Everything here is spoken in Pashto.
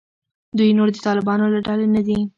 دوی نور د طالبانو له ډلې نه دي.